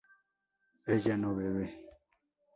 ¿ella no bebe?